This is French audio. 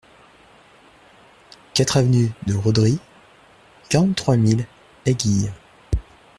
quatre avenue de Roderie, quarante-trois mille Aiguilhe